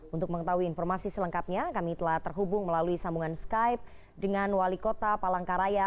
untuk mengetahui informasi selengkapnya kami telah terhubung melalui sambungan skype dengan wali kota palangkaraya